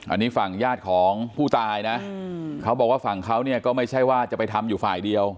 อันนี้ฝั่งญาติของผู้ตายนะเขาบอกว่าฝั่งเขาเนี่ยก็ไม่ใช่ว่าจะไปทำอยู่ฝ่ายเดียว